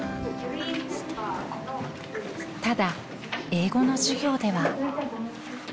ただ英語の授業では。